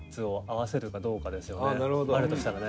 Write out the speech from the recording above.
あるとしたらね。